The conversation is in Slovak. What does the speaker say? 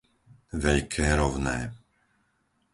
Veľké Rovné